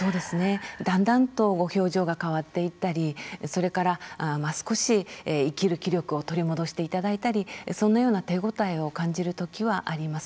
だんだんと表情が変わっていったりそれから少し生きる気力を取り戻していただいたりそんなような手応えを感じるようなときはあります。